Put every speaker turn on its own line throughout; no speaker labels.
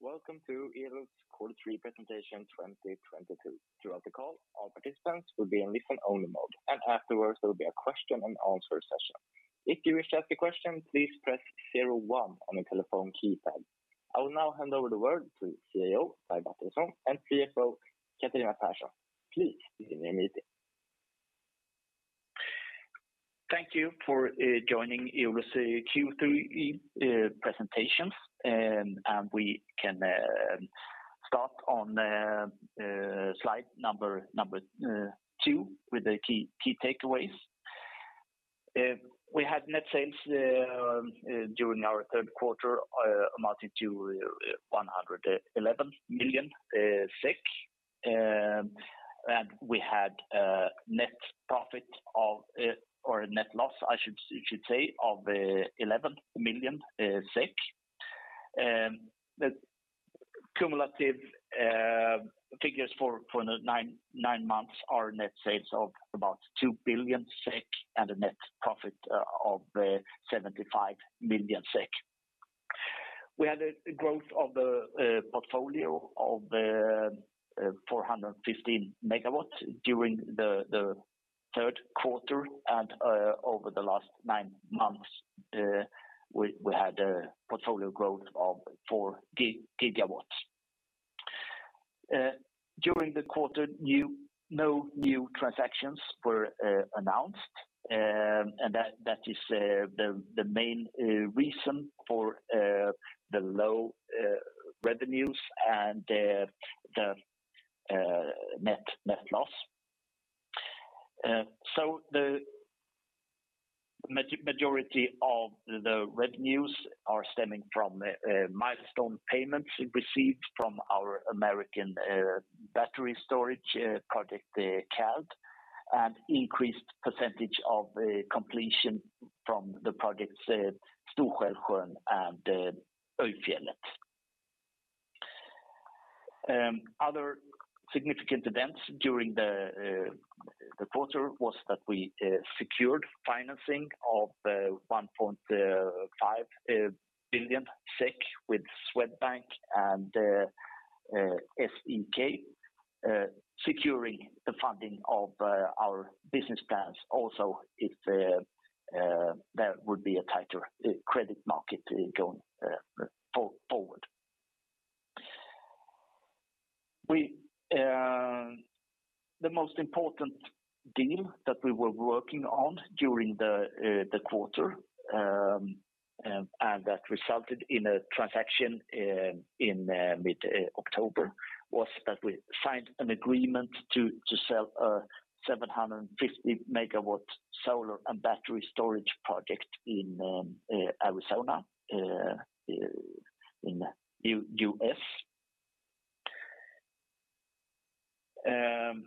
Welcome to Eolus' quarter three presentation 2022. Throughout the call, all participants will be in listen-only mode, and afterwards there will be a question-and-answer session. If you wish to ask a question, please press zero one on your telephone keypad. I will now hand over the word to CEO, Per Witalisson, and CFO, Catharina Persson. Please begin your meeting.
Thank you for joining Eolus' Q3 presentation. We can start on slide number two with the key takeaways. We had net sales during our third quarter amounted to 111 million SEK. We had net profit of, or net loss, you should say, of 11 million SEK. The cumulative figures for the nine months are net sales of about 2 billion SEK and a net profit of 75 million SEK. We had a growth of portfolio of 415 MW during the third quarter. Over the last nine months, we had a portfolio growth of 4 GW. During the quarter, no new transactions were announced, and that is the main reason for the low revenues and the net loss. The majority of the revenues are stemming from milestone payments received from our American battery storage project, Cald, and increased percentage of completion from the projects Stor-Skälsjön and Öyfjellet. Other significant events during the quarter was that we secured financing of 1.5 billion SEK with Swedbank and SEB, securing the funding of our business plans also if there would be a tighter credit market going forward. We, uh, the most important deal that we were working on during the, uh, the quarter, um, and that resulted in a transaction, uh, in, uh, mid, uh, October, was that we signed an agreement to sell a 750 MW solar and battery storage project in, um, uh, Arizona, uh, in U-U.S. Um,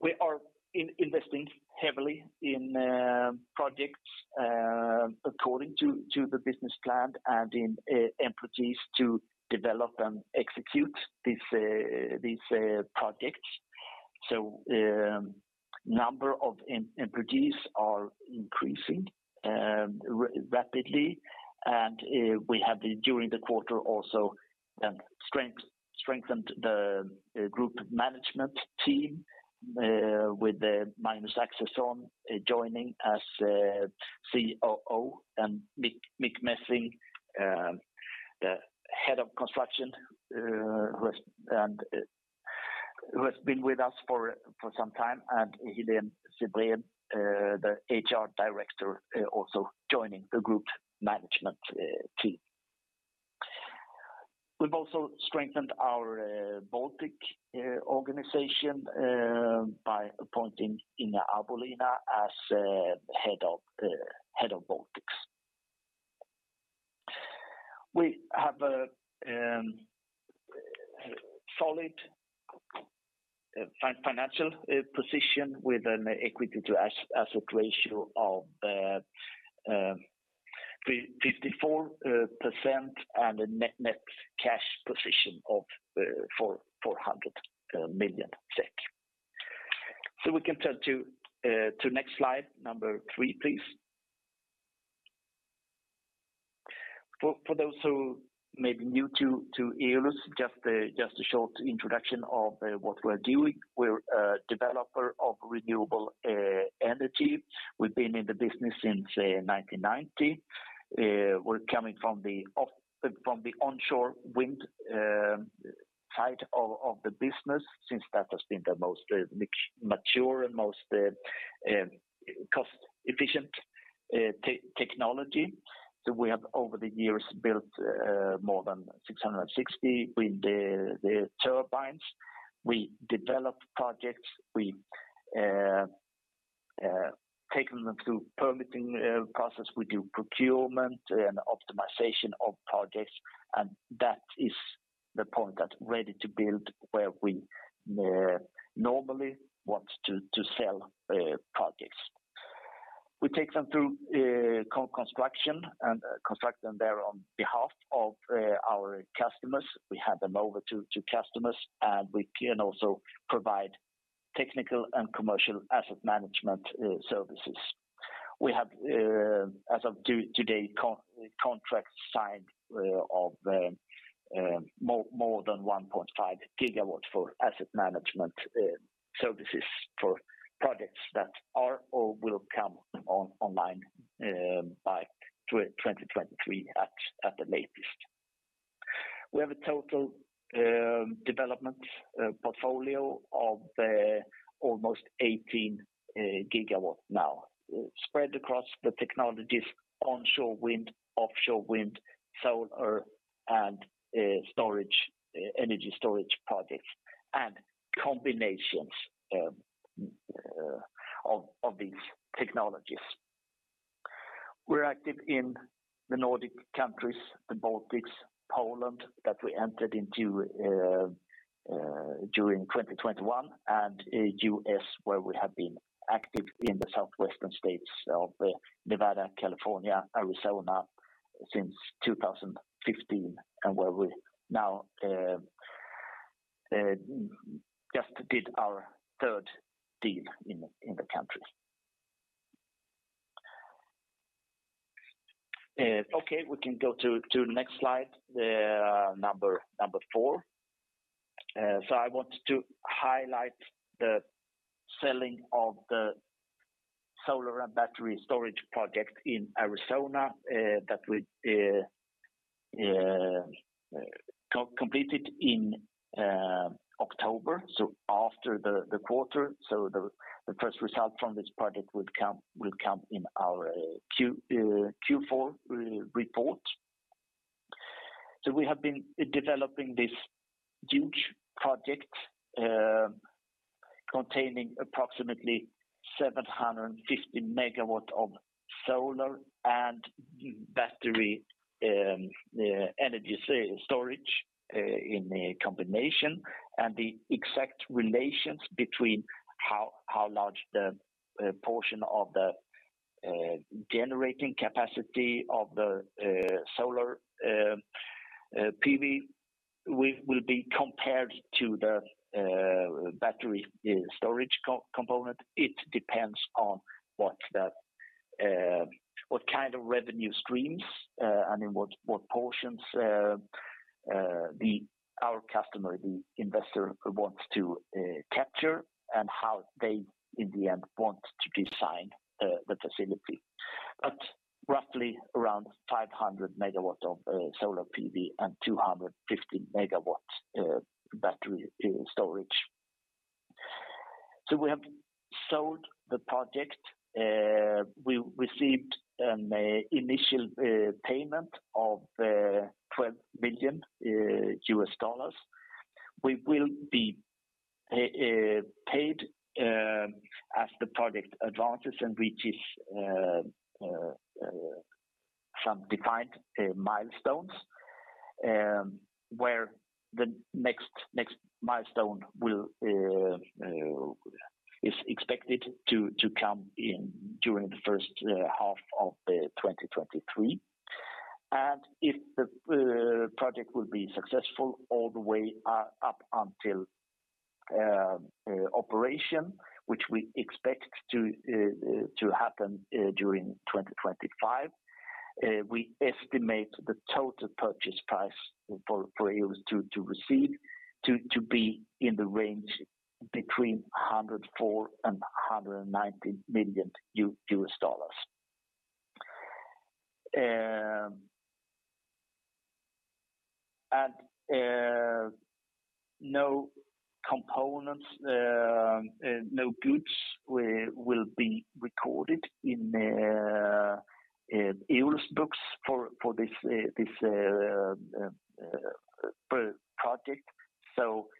we are in-investing heavily in, uh, projects, uh, according to the business plan and in, uh, employees to develop and execute these, uh, these, uh, projects. Number of employees are increasing rapidly, and we have during the quarter also strengthened the Group Management Team with Magnus Axelsson joining as COO and Michiel Messing, the Head of Construction, who has been with us for some time, and Heléne Sebrén, the HR Director, also joining the Group Management Team. We've also strengthened our Baltic organization by appointing Inga Abolina as Head of Baltics. We have a solid financial position with an equity to asset ratio of 54% and a net cash position of 400 million SEK. We can turn to next slide, number three, please. For those who may be new to Eolus, just a short introduction of what we are doing. We're a developer of renewable energy. We've been in the business since 1990. We're coming from the onshore wind side of the business since that has been the most mature and most cost-efficient technology. We have over the years built more than 660 wind turbines. We develop projects. We take them through permitting process. We do procurement and optimization of projects, and that is the point that's ready to build where we normally want to sell projects. We take them through construction and construct them there on behalf of our customers. We hand them over to customers. We can also provide technical and commercial asset management services. We have as of today contract signed of more than 1.5 GW for asset management services for projects that are or will come online by 2023 at the latest. We have a total development portfolio of almost 18 GW now spread across the technologies onshore wind, offshore wind, solar and storage energy storage projects and combinations of these technologies. We're active in the Nordic countries, the Baltics, Poland that we entered into during 2021, and U.S. where we have been active in the Southwestern states of Nevada, California, Arizona since 2015, and where we now just did our third deal in the country. Okay, we can go to the next slide number number. I want to highlight the selling of the solar and battery storage project in Arizona that we co-completed in October, so after the quarter. The first result from this project will come in our Q4 report. We have been developing this huge project containing approximately 750 MW of solar and battery energy storage in a combination and the exact relations between how large the portion of the generating capacity of the solar PV will be compared to the battery storage component. It depends on what kind of revenue streams and in what portions our customer, the investor wants to capture and how they in the end want to design the facility. Roughly around 500 MW of solar PV and 250 MW battery storage. We have sold the project. We received a initial payment of $12 million. We will be paid as the project advances and reaches some defined milestones where the next milestone is expected to come in during the first half of 2023. If the project will be successful all the way until operation, which we expect to happen during 2025, we estimate the total purchase price for Eolus to receive to be in the range between $104 million and $190 million. No components, no goods will be recorded in the Eolus books for this project.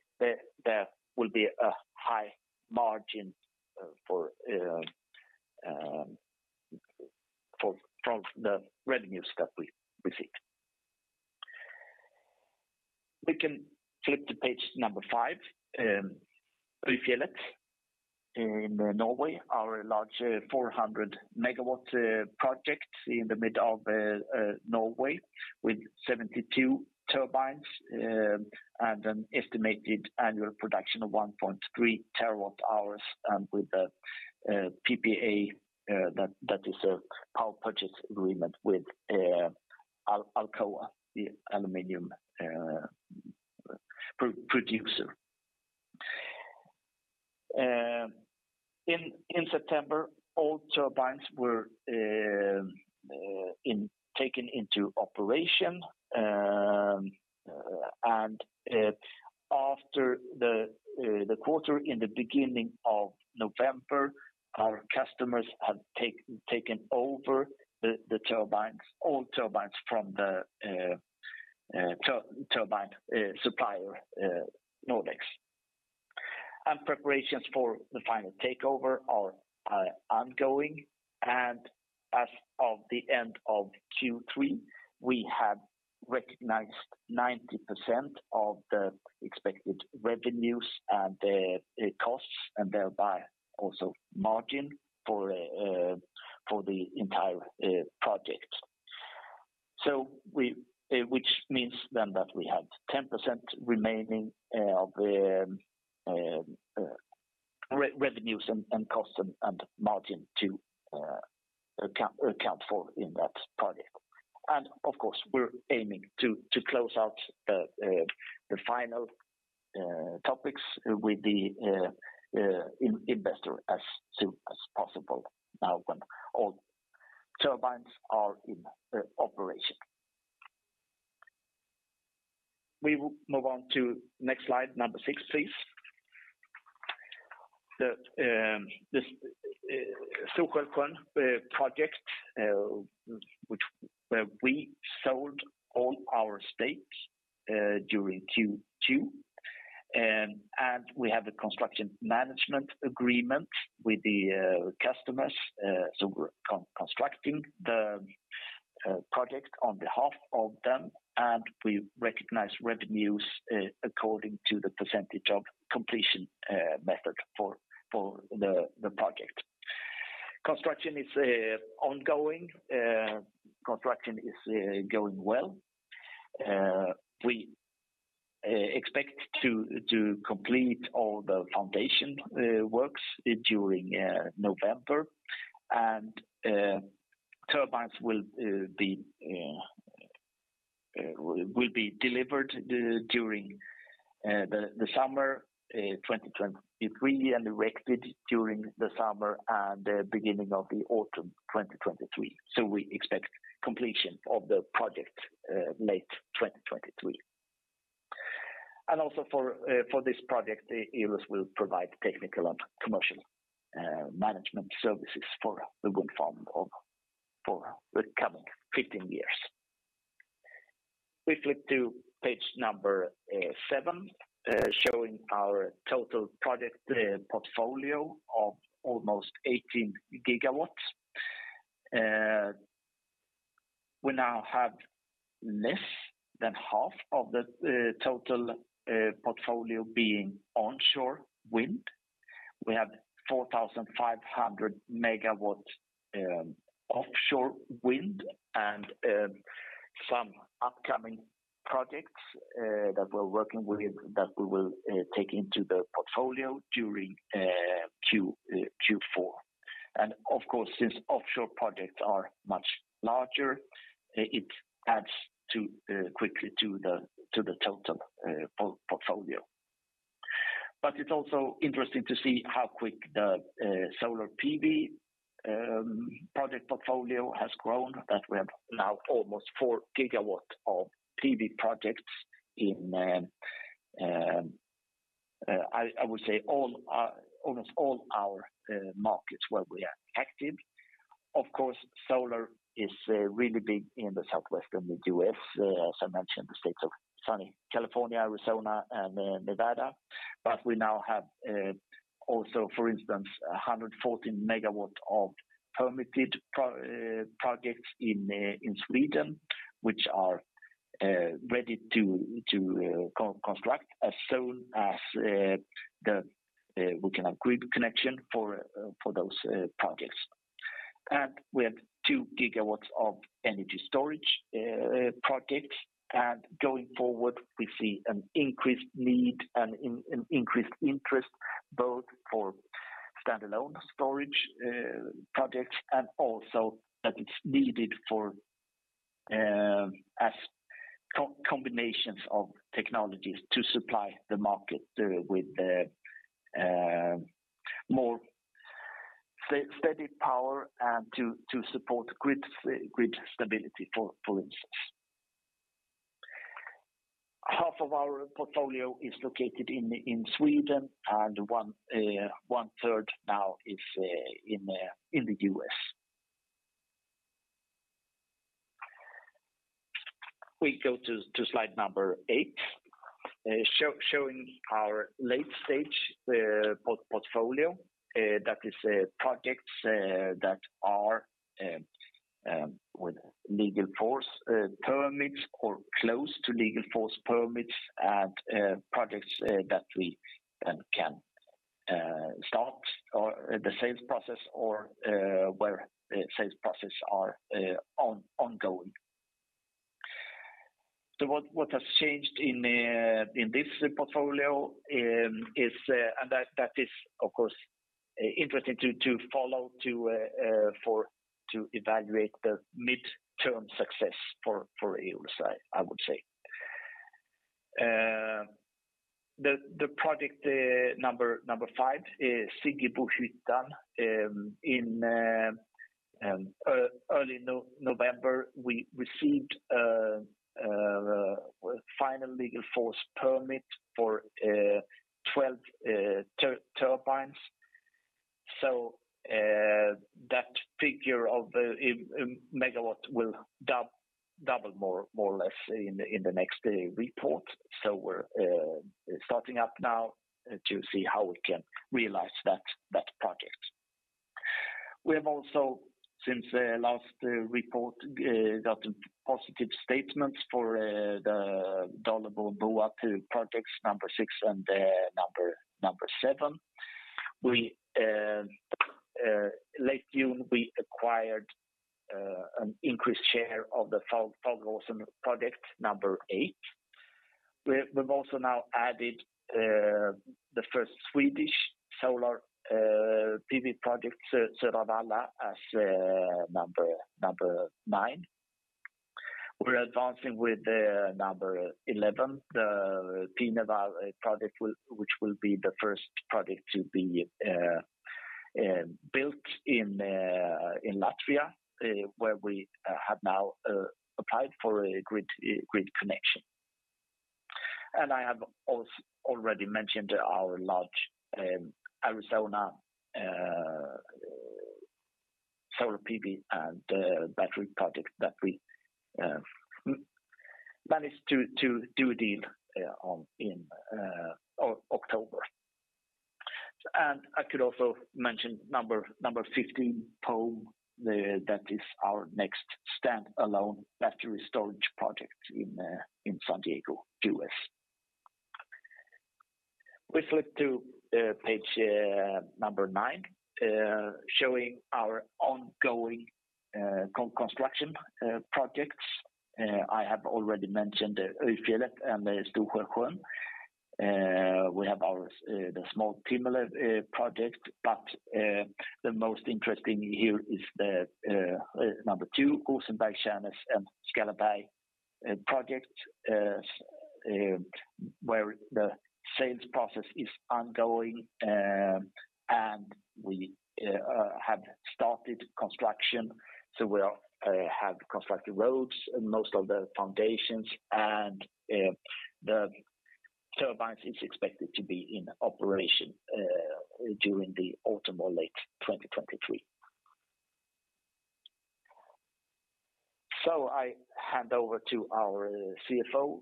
There will be a high margin from the revenues that we receive. We can flip to page number five. Öyfjellet in Norway, our large 400 MW project in the mid of Norway with 72 turbines and an estimated annual production of 1.3 TWh, and with a PPA that is a power purchase agreement with Alcoa, the aluminum producer. In September, all turbines were taken into operation. After the quarter in the beginning of November, our customers have taken over the turbines, all turbines from the turbine supplier, Nordex. Preparations for the final takeover are ongoing, and as of the end of Q3, we have recognized 90% of the expected revenues and the costs, and thereby also margin for the entire project. Which means then that we have 10% remaining of the revenues and cost and margin to account for in that project. Of course, we're aiming to close out the final topics with the investor as soon as possible now when all turbines are in operation. We will move on to next slide, number six, please. This Skällberget project where we sold all our stakes during Q2. We have a construction management agreement with the customers, so we're constructing the project on behalf of them, and we recognize revenues according to the percentage of completion method for the project. Construction is ongoing. Construction is going well. We expect to complete all the foundation works during November. Turbines will be delivered during the summer 2023 and erected during the summer and the beginning of the autumn 2023. We expect completion of the project late 2023. Also for this project, Eolus will provide technical and commercial management services for the wind farm for the coming 15 years. We flip to page number, uh, seven, uh, showing our total project, uh, portfolio of almost 18 GW. Uh, we now have less than half of the, uh, total, uh, portfolio being onshore wind. We have 4,500 MW, um, offshore wind and, um, some upcoming projects, uh, that we're working with that we will, uh, take into the portfolio during, uh, Q-Q4. And of course, since offshore projects are much larger, uh, it adds to, uh, quickly to the, to the total, uh, po-portfolio. But it's also interesting to see how quick the, uh, solar PV, um, project portfolio has grown, that we have now almost 4 GW of PV projects in, um, uh, I would say all our, almost all our, uh, markets where we are active. Of course, solar is really big in the Southwestern U.S., as I mentioned, the states of sunny California, Arizona, and Nevada. We now have also, for instance, 114 MW of permitted projects in Sweden, which are ready to construct as soon as we can have grid connection for those projects. We have 2 GW of energy storage projects. Going forward, we see an increased need and increased interest both for standalone storage projects and also that it's needed for as combinations of technologies to supply the market with more steady power and to support grid stability, for instance. Half of our portfolio is located in Sweden, and 1/3 now is in the U.S. We go to slide number eight showing our late-stage portfolio that is projects that are with legal force permits or close to legal force permits and projects that we can start or the sales process or where sales process are ongoing. What has changed in this portfolio is, and that is of course interesting to follow to evaluate the midterm success for Eolus, I would say. The project number five, Siggebohyttan, in early November, we received final legal force permit for 12 turbines. That figure of megawatt will double more or less in the next report. We're starting up now to see how we can realize that project. We have also, since the last report, got positive statements for the Dållebo projects number six and number seven. Late June, we acquired an increased share of the Fageråsen project number eight. We've also now added the first Swedish solar PV project, Skåramåla, as number nine. We're advancing with number 11, the Pienava project which will be the first project to be built in Latvia, where we have now applied for a grid connection. I have already mentioned our large Arizona solar PV and battery project that we managed to do a deal on in October. I could also mention number 15, Pome, that is our next standalone battery storage project in San Diego, U.S. We flip to page number nine showing our ongoing construction projects. I have already mentioned Öyfjellet and Stor-Skälsjön. We have the small Timmele project, but the most interesting here is the number two, Skällberget-Stjärnås and Skellefteå project where the sales process is ongoing and we have started construction. We have constructed roads and most of the foundations and the turbines is expected to be in operation during the autumn or late 2023. I hand over to our CFO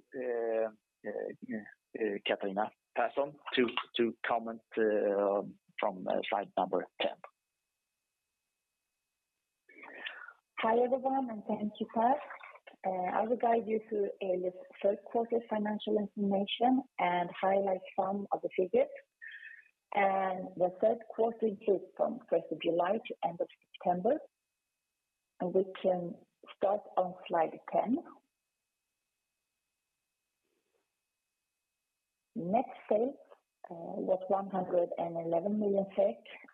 Catharina Persson to comment from slide number 10.
Hi everyone, and thank you, Per. I will guide you through Eolus's third quarter financial information and highlight some of the figures. The third quarter includes from first of July to end of September, and we can start on slide 10. Net sales was 111 million,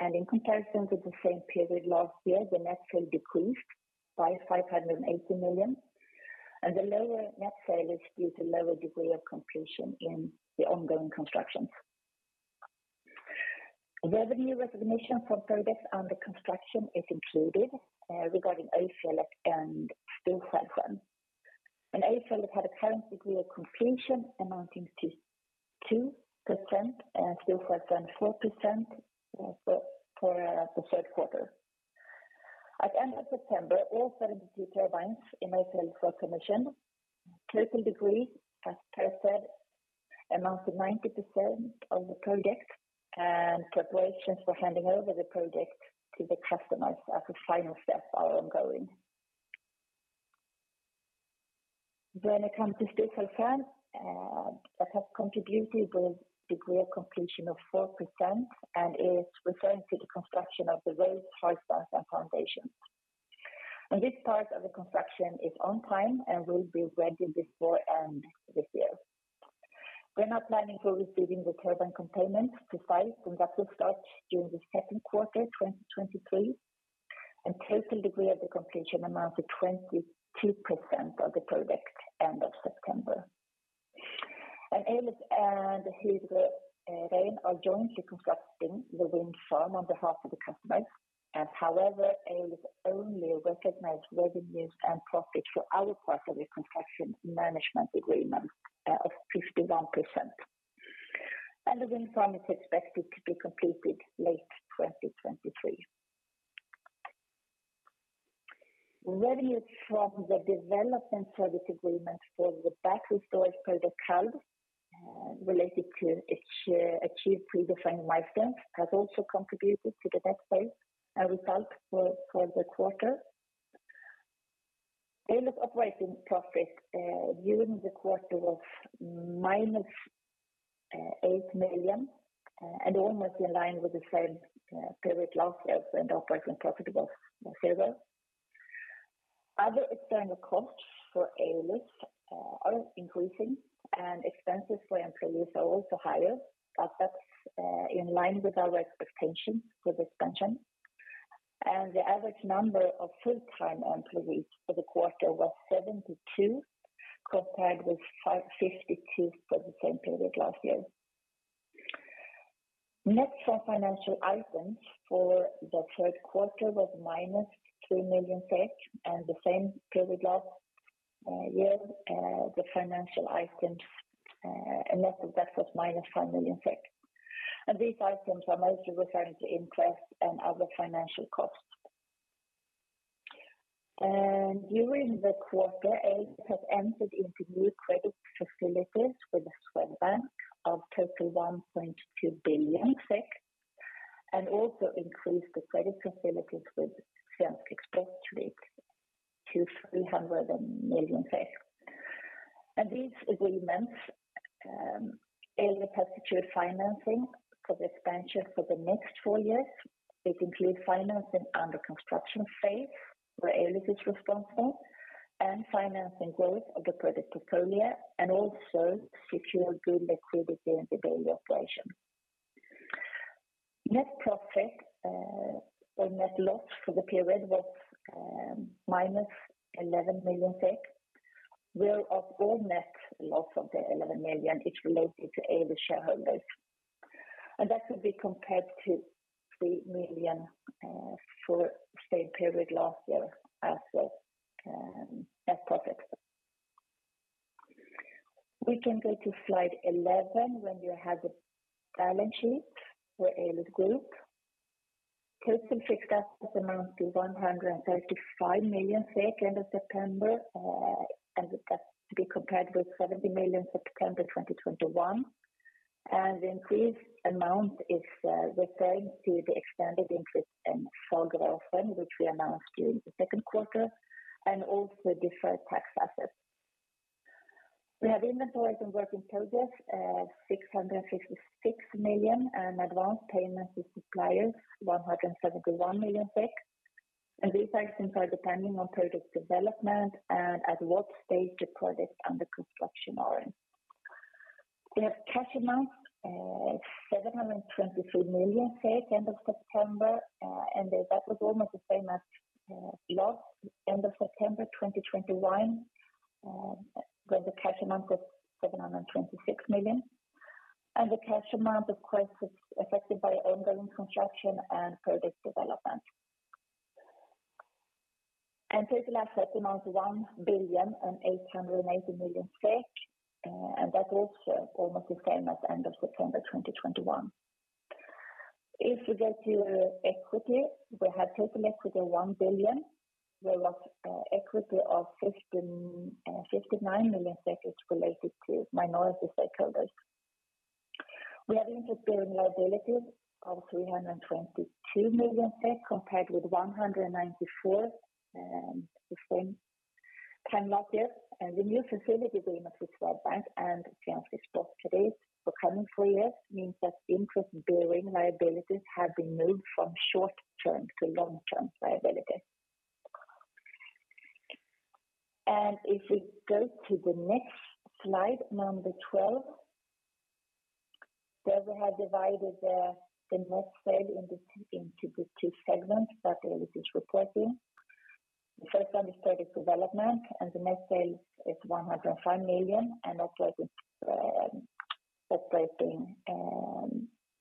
and in comparison to the same period last year, the net sales decreased by 580 million. The lower net sales is due to lower degree of completion in the ongoing constructions. Revenue recognition from projects under construction is included regarding Öyfjellet and Stor-Skälsjön. Öyfjellet had a current degree of completion amounting to 2% and Stor-Skälsjön 4% for the third quarter. At end of September, all 72 turbines in Öyfjellet were commissioned. Total degree, as Per said, amounts to 90% of the project, and preparations for handing over the project to the customers as a final step are ongoing. When it comes to Stor-Skälsjön, that has contributed with degree of completion of 4% and is referring to the construction of the roads, hard stands and foundations. This part of the construction is on time and will be ready before end this year. We're now planning for receiving the turbine components to site, and that will start during the second quarter 2023. Total degree of the completion amounts to 22% of the project end of September. Eolus and Hydro Rein are jointly constructing the wind farm on behalf of the customer. However, Eolus only recognize revenues and profits for our part of the construction management agreement of 51%. The wind farm is expected to be completed late 2023. Revenue from the development service agreement for the battery storage project Halland, related to its achieved predefined milestones, has also contributed to the net sales and result for the quarter. Eolus's operating profit during the quarter was -SEK 8 million and almost in line with the same period last year when the operating profit was lower. Other external costs for Eolus are increasing and expenses for employees are also higher, but that's in line with our expectation for this function. The average number of full-time employees for the quarter was 72, compared with 52 for the same period last year. Net for financial items for the third quarter was - 3 million, and the same period last year, the financial items net of that was - 5 million. These items are mostly referring to interest and other financial costs. During the quarter, Eolus has entered into new credit facilities with Swedbank of total 1.2 billion SEK, and also increased the credit facilities with SEB to SEK 300 million. These agreements, Eolus has secured financing for the expansion for the next four years. It includes financing under construction phase where Eolus is responsible and financing growth of the project portfolio and also secure good liquidity in the daily operation. Net profit or net loss for the period was -11 million, whereof all net loss of the 11 million is related to Eolus shareholders. That could be compared to 3 million for same period last year as well as profit. We can go to slide 11 where you have a balance sheet for Eolus Group. Total fixed assets amount to 135 million end of September, and that's to be compared with 70 million September 2021. Increased amount is referring to the expanded interest in Fageråsen, which we announced during the second quarter and also deferred tax assets. We have inventories and work in progress of 656 million and advanced payments to suppliers 171 million. These items are depending on project development and at what stage the projects under construction are in. We have cash amounts 723 million end of September, and that was almost the same as last end of September 2021, when the cash amount was 726 million. The cash amount of course, is affected by ongoing construction and project development. Total assets amount 1,880,000,000, and that is almost the same as end of September 2021. If we go to equity, we have total equity of 1 billion, whereof equity of 59 million is related to minority stakeholders. We have interest-bearing liabilities of 322 million, compared with 194 million the same time last year. The new facility agreement with Swedbank and Sjätte AP-fonden for coming four years means that interest-bearing liabilities have been moved from short-term to long-term liabilities. If we go to the next slide, number 12, there we have divided the net sale into the two segments that Eolus is reporting. The first one is project development, and the net sales is 105 million, and operating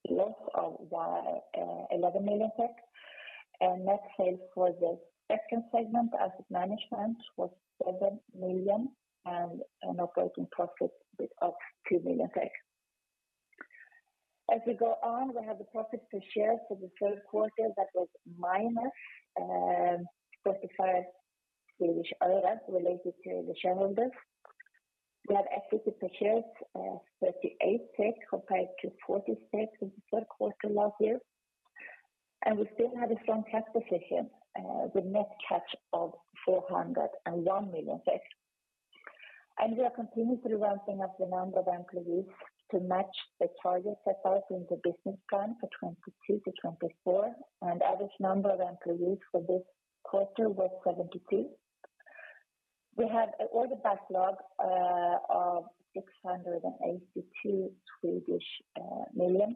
loss of 11 million. Net sales for the second segment, asset management, was 7 million and an operating profit of 2 million. As we go on, we have the profit per share for the third quarter that was SEK -0.35 related to the shareholders. We have equity per share of 38 compared to 40 in the third quarter last year. We still have a strong cash position with net cash of 401 million. We are continuously ramping up the number of employees to match the targets set out in the business plan for 2022-2024, and average number of employees for this quarter was 72. We have order backlog of 682 million,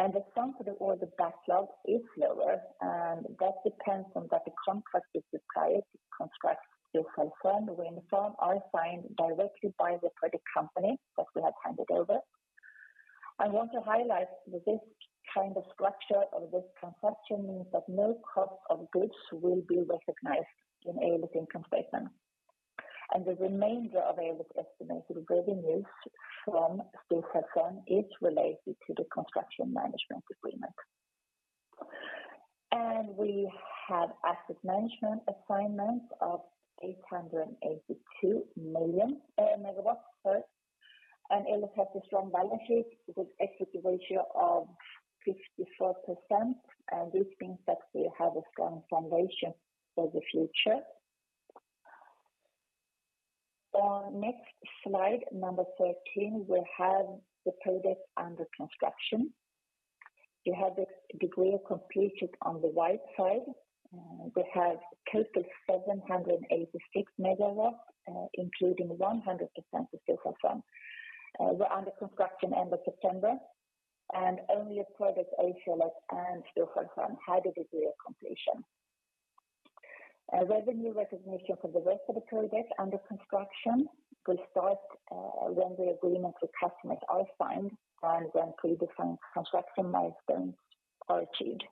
and the sum for the order backlog is lower, and that depends on that the contracts with Stor-Skälsjön Wind Farm are signed directly by the project company that we have handed over. I want to highlight that this kind of structure of this construction means that no cost of goods will be recognized in Eolus's income statement. The remainder of Eolus's estimated revenues from Stor-Skälsjön is related to the construction management agreement. And we have asset management assignments of 882 million in megawatts. And Eolus has a strong balance sheet with an equity ratio of 54%, and this means that we have a strong foundation for the future. On next slide, number 13, we have the projects under construction. You have the degree of completed on the right side. Uh, we have total 786 MW, uh, including 100% of [Stilhavsen], uh, were under construction end of September, and only project Ävelsö and [Stilhavsen] had a degree of completion. Uh, revenue recognition for the rest of the projects under construction will start, uh, when the agreement with customers are signed and when pre-defined construction milestones are achieved.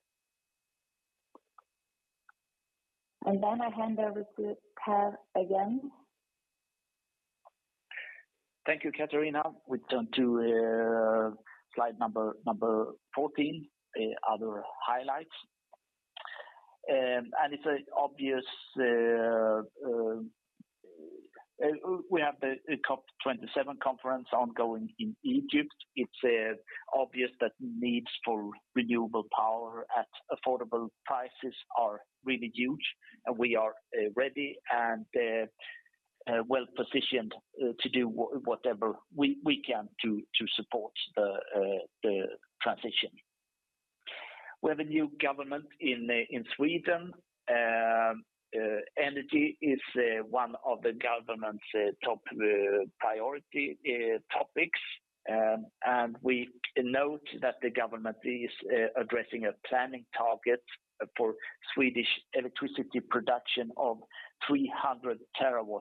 And then I hand over to Per again.
Thank you, Catharina. We turn to slide 14, other highlights. It's obvious we have the COP27 conference ongoing in Egypt. It's obvious that needs for renewable power at affordable prices are really huge, and we are ready and well-positioned to do whatever we can to support the transition. We have a new government in Sweden. Energy is one of the government's top priority topics. We note that the government is addressing a planning target for Swedish electricity production of 300 TWh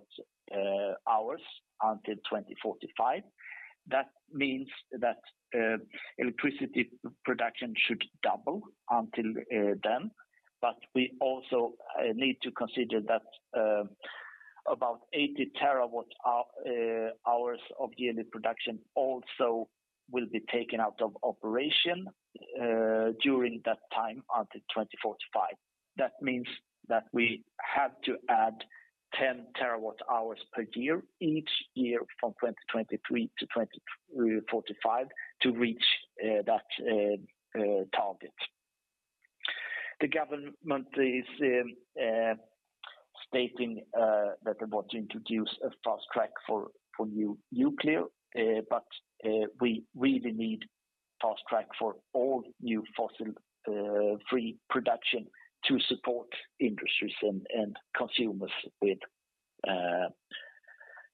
until 2045. That means that electricity production should double until then. We also need to consider that about 80 TWh of yearly production also will be taken out of operation during that time until 2045. That means that we have to add 10 TWh per year each year from 2023 to 2045 to reach that target. The government is stating that they want to introduce a fast track for new nuclear, but we really need fast track for all new fossil-free production to support industries and consumers with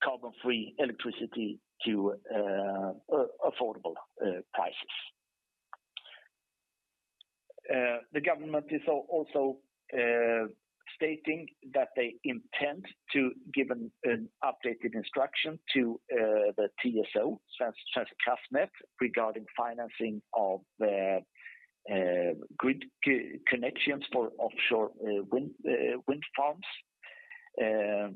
carbon-free electricity to affordable prices. The government is also stating that they intend to give an updated instruction to the TSO, Svenska kraftnät, regarding financing of the grid connections for offshore wind farms.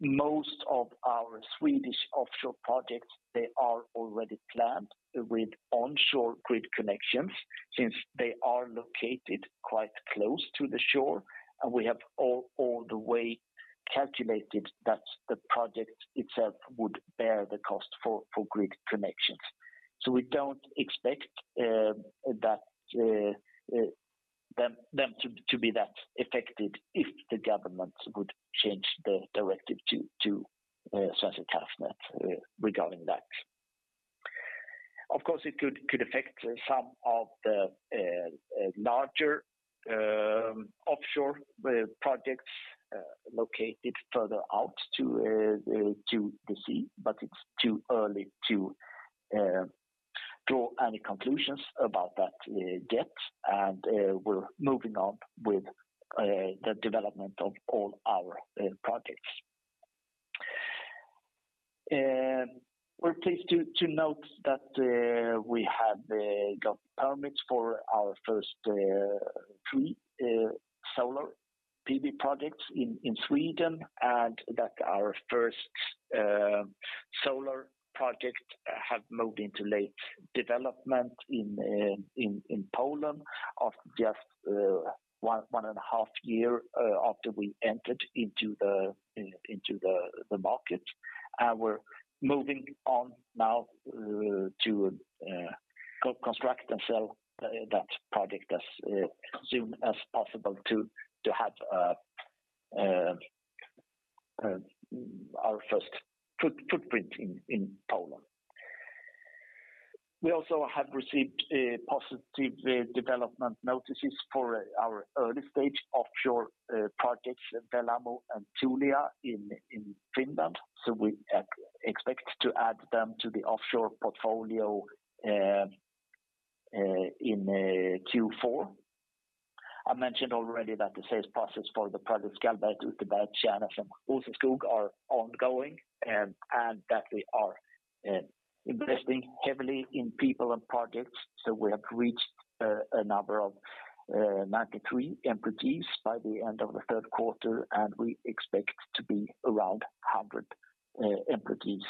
Most of our Swedish offshore projects, they are already planned with onshore grid connections since they are located quite close to the shore, and we have all the way calculated that the project itself would bear the cost for grid connections. We don't expect that them to be that affected if the government would change the directive to Svenska kraftnät regarding that. Of course, it could affect some of the larger offshore projects located further out to the sea, but it's too early to draw any conclusions about that yet. We're moving on with the development of all our projects. We're pleased to note that we have got permits for our first three solar PV projects in Sweden, and that our first solar project have moved into late development in Poland of just 1.5 year after we entered into the market. We're moving on now to co-construct and sell that project as soon as possible to have our first footprint in Poland. We also have received positive development notices for our early-stage offshore projects, Wellamo and Tuulia, in Finland, so we expect to add them to the offshore portfolio in Q4. I mentioned already that the sales process for the projects, Skällberget/Utterberget, Tjärnäs and Rosenskog are ongoing and that we are investing heavily in people and projects. We have reached a number of 93 employees by the end of the third quarter, and we expect to be around 100 employees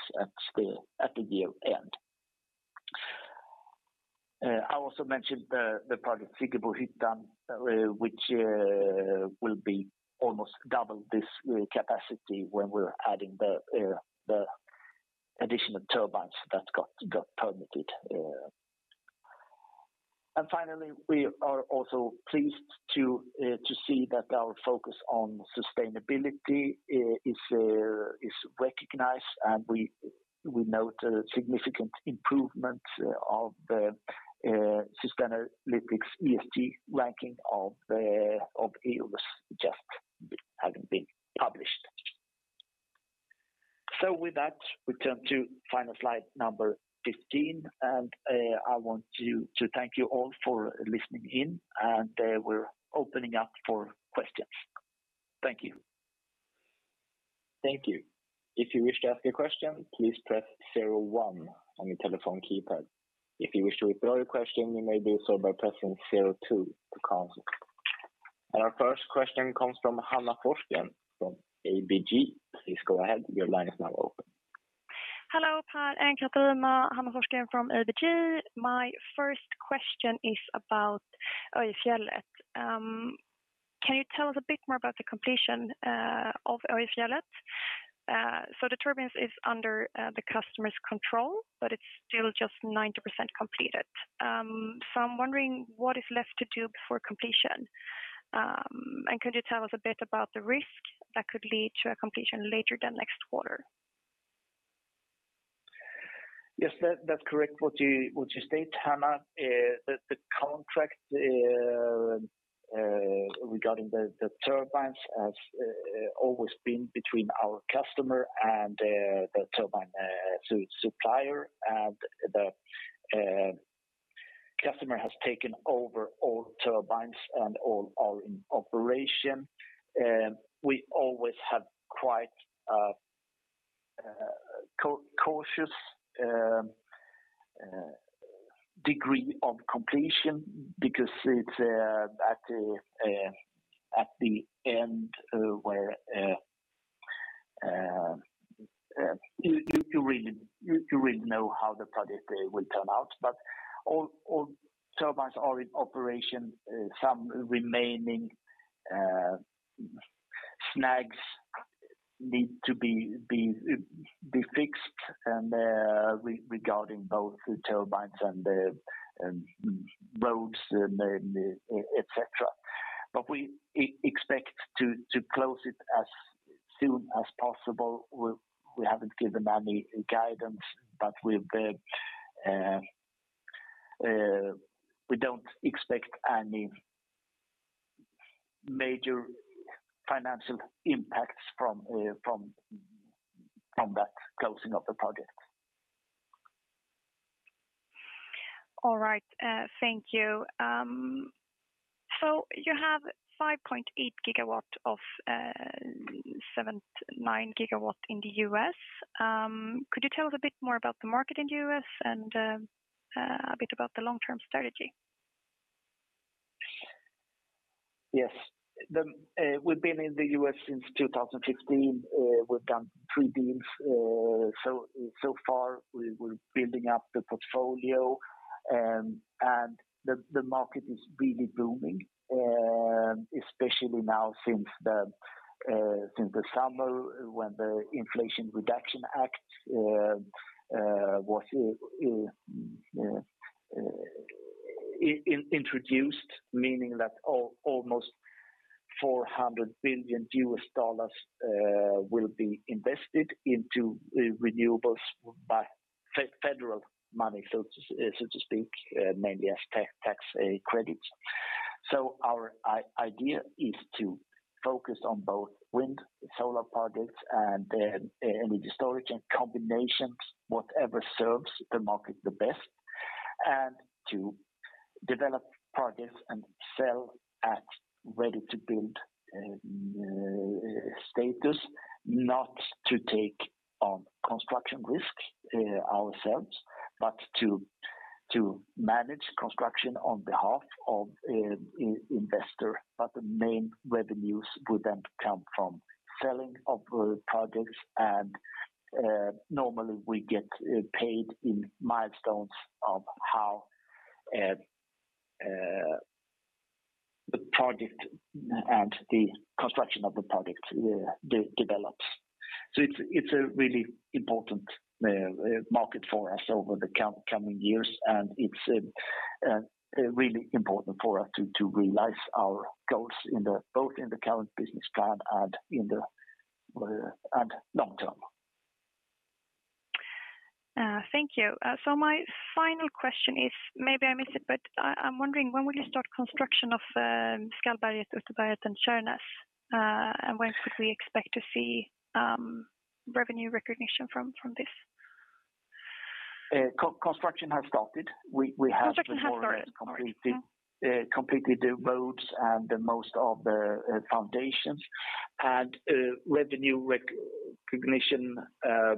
at the year-end. I also mentioned the project Siggebohyttan, which will be almost double this capacity when we're adding the additional turbines that got permitted. Finally, we are also pleased to see that our focus on sustainability is recognized, and we note a significant improvement of the Sustainalytics ESG ranking of Eolus just have been published. With that, we turn to final slide number 15. I want to thank you all for listening in, and we're opening up for questions. Thank you.
Thank you. If you wish to ask a question, please press zero one on your telephone keypad. If you wish to withdraw your question, you may do so by pressing zero two to cancel. Our first question comes from Hanna Forsgren from ABG. Please go ahead. Your line is now open.
Hello, Per Witalisson. Hanna Forsgren from ABG. My first question is about Öyfjellet. Can you tell us a bit more about the completion of Öyfjellet? The turbines is under the customer's control, but it's still just 90% completed. I'm wondering what is left to do before completion. Could you tell us a bit about the risk that could lead to a completion later than next quarter?
Yes, that's correct what you state, Hanna. The contract regarding the turbines has always been between our customer and the turbine supplier, and the customer has taken over all turbines and all are in operation. We always have quite cautious degree of completion because it's at the end where you really know how the project will turn out. All turbines are in operation. Some remaining snags need to be fixed and regarding both the turbines and the roads and et cetera. We expect to close it as soon as possible. We haven't given any guidance. We don't expect any major financial impacts from that closing of the project.
All right, thank you. You have 5.8 GW of 7.9 GW in the U.S. Could you tell us a bit more about the market in the U.S. and a bit about the long-term strategy?
Yes. We've been in the U.S. since 2015. We've done three deals. So far we're building up the portfolio, and the market is really booming, especially now since the summer when the Inflation Reduction Act was introduced, meaning that almost $400 billion will be invested into renewables by federal money, so to speak, mainly as tax credits. Our idea is to focus on both wind, solar projects and energy storage and combinations, whatever serves the market the best, and to develop projects and sell at ready-to-build status, not to take on construction risks ourselves, but to manage construction on behalf of investor. The main revenues would then come from selling of projects and normally we get paid in milestones of how the project and the construction of the project develops. It's a really important market for us over the coming years, and it's really important for us to realize our goals both in the current business plan and in the long term.
Thank you. My final question is, maybe I missed it, but I'm wondering when will you start construction of Skällberget/Utterberget, and Tjärnäs? When could we expect to see revenue recognition from this?
Construction has started.
Construction has started. All right.
More or less completed the roads and most of the foundations. Revenue recognition,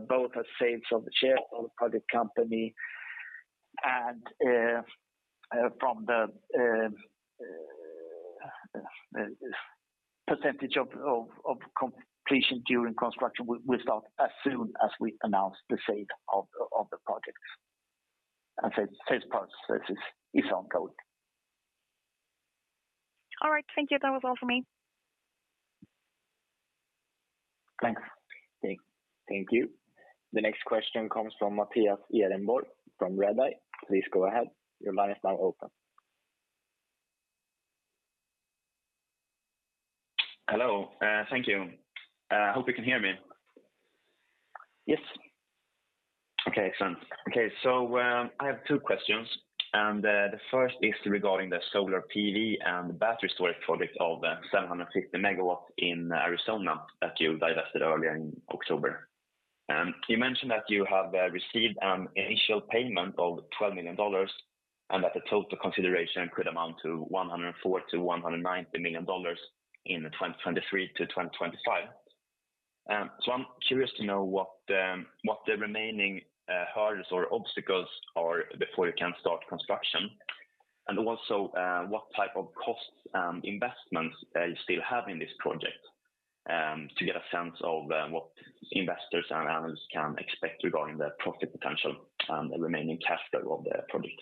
both as sales of the shares of the project company and from the percentage of completion during construction, will start as soon as we announce the sale of the projects. Sales process is ongoing.
All right. Thank you. That was all for me.
Thanks.
Thank you. The next question comes from Mattias Ehrenborg from Redeye. Please go ahead. Your line is now open.
Hello. Thank you. I hope you can hear me.
Yes.
Okay, excellent. Okay. I have two questions, and the first is regarding the solar PV and battery storage project of 750 MW in Arizona that you divested earlier in October. You mentioned that you have received an initial payment of $12 million and that the total consideration could amount to $104 million-$190 million in 2023-2025. I'm curious to know what the remaining hurdles or obstacles are before you can start construction. What type of costs and investments you still have in this project to get a sense of what investors and analysts can expect regarding the profit potential and the remaining cash flow of the project?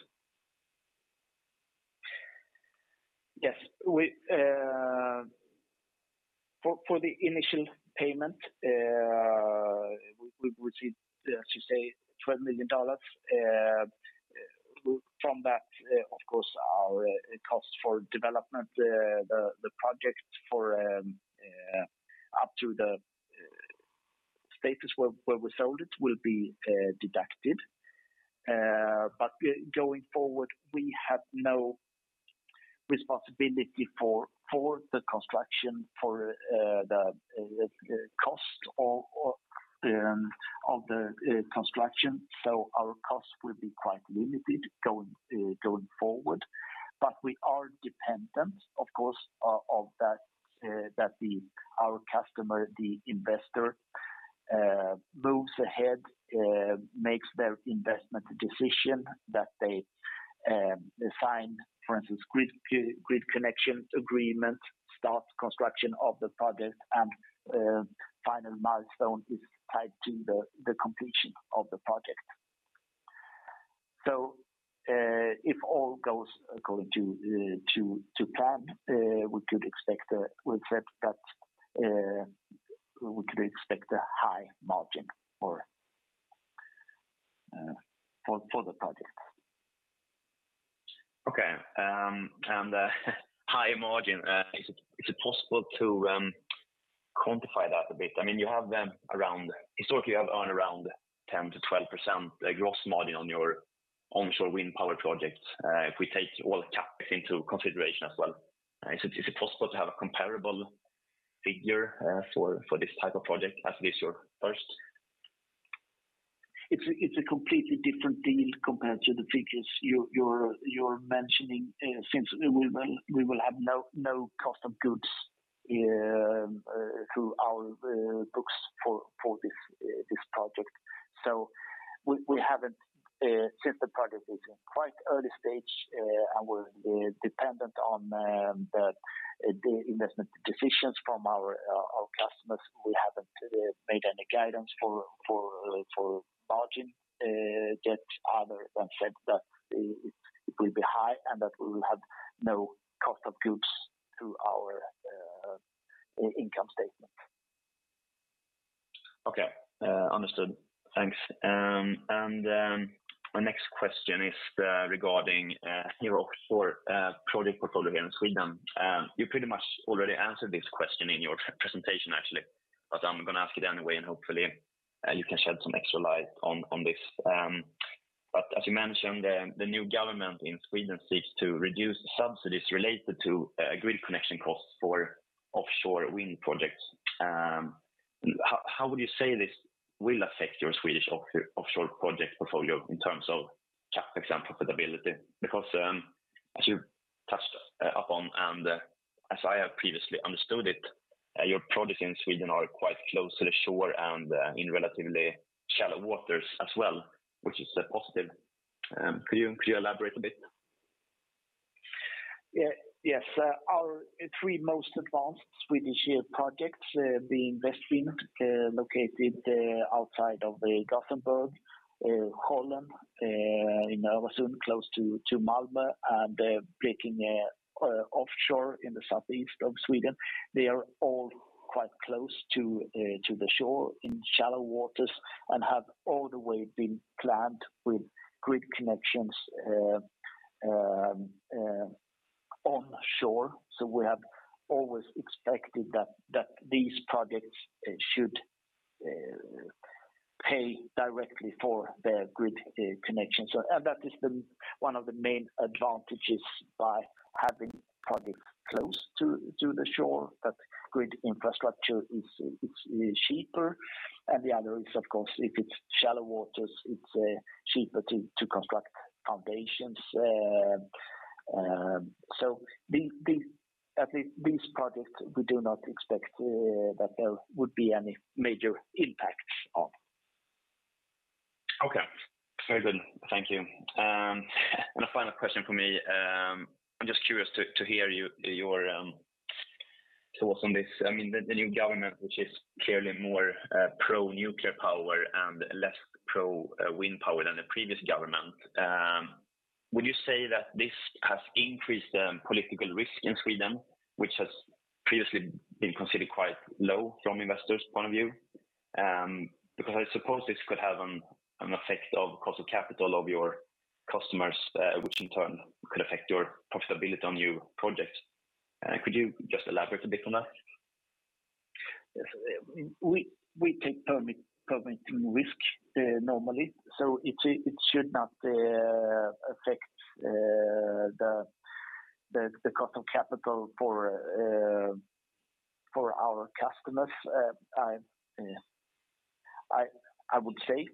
Yes. For the initial payment, we received, as you say, $12 million. From that, of course our costs for development the project up to the status where we sold it will be deducted. Going forward, we have no responsibility for the construction, for the cost or of the construction. Our costs will be quite limited going forward. We are dependent, of course, of that our customer, the investor, moves ahead, makes their investment decision that they sign, for instance, grid connection agreement, start construction of the project and final milestone is tied to the completion of the project. If all goes according to plan, we could expect a high margin for the project.
Okay. High margin, is it possible to quantify that a bit? I mean, you have them around, historically, you have earned around 10%-12% gross margin on your onshore wind power projects. If we take all the CapEx into consideration as well, is it possible to have a comparable figure for this type of project as this is your first?
It's a completely different deal compared to the figures you're mentioning since we will have no cost of goods through our books for this project. Since the project is in quite early stage and we're dependent on the investment decisions from our customers, we haven't made any guidance for margin yet other than said that it will be high and that we will have no cost of goods through our income statement.
Okay. Understood. Thanks. My next question is regarding your offshore project portfolio here in Sweden. You pretty much already answered this question in your pre-presentation, actually, but I'm gonna ask it anyway, and hopefully you can shed some extra light on this. As you mentioned, the new government in Sweden seeks to reduce subsidies related to grid connection costs for offshore wind projects. How would you say this will affect your Swedish offshore project portfolio in terms of CapEx and profitability? Because as you touched upon and as I have previously understood it, your projects in Sweden are quite close to the shore and in relatively shallow waters as well, which is a positive. Could you elaborate a bit?
Yes. Our three most advanced Swedish projects, being Västvind, located outside of Gothenburg, Hollandsbjär in Öresund, close to Malmö, and Blekinge offshore in the southeast of Sweden, they are all quite close to the shore in shallow waters and have all the way been planned with grid connections onshore. We have always expected that these projects should pay directly for the grid connection. That is one of the main advantages by having projects close to the shore, that grid infrastructure is cheaper. The other is, of course, if it's shallow waters, it's cheaper to construct foundations. At least these projects, we do not expect that there would be any major impacts of.
Okay. Very good. Thank you. A final question from me. I'm just curious to hear your thoughts on this. I mean, the new government, which is clearly more pro-nuclear power and less pro wind power than the previous government, would you say that this has increased the political risk in Sweden, which has previously been considered quite low from investors' point of view? Because I suppose this could have an effect of cost of capital of your customers, which in turn could affect your profitability on new projects. Could you just elaborate a bit on that?
Yes. We take permitting risk normally, so it should not affect the cost of capital for our customers, I would say.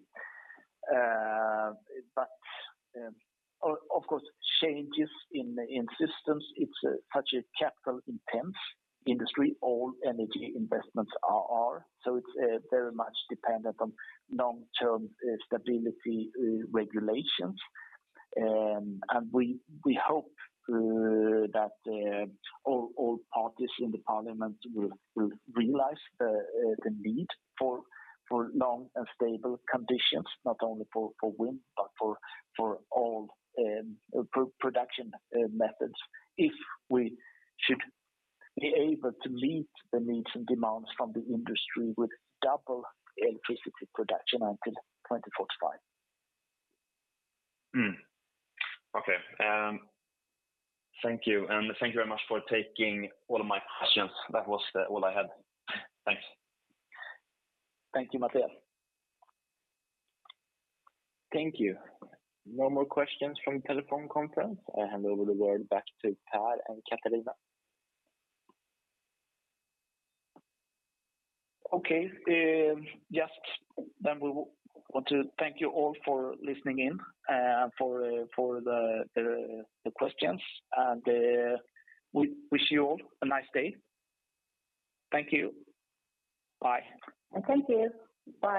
Of course, changes in systems, it's such a capital-intense industry. All energy investments are, so it's very much dependent on long-term stability, regulations. We hope that all parties in the Parliament will realize the need for long and stable conditions, not only for wind, but for all production methods, if we should be able to meet the needs and demands from the industry with double electricity production until 2045.
Okay. Thank you, and thank you very much for taking all of my questions. That was all I had. Thanks.
Thank you, Mattias.
Thank you. No more questions from telephone conference. I hand over the word back to Per and Catharina.
Okay. Just we want to thank you all for listening in and for the questions, and we wish you all a nice day. Thank you. Bye.
Thank you. Bye.